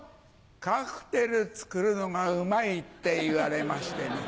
カクテル作るのがうまいって言われましてね。